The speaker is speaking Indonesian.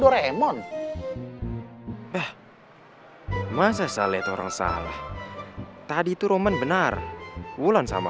remon eh masa saya lihat orang salah tadi itu roman benar bulan sama